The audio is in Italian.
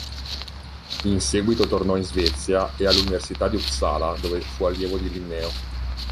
In seguito tornò in Svezia e all'Università di Uppsala, dove fu allievo di Linneo.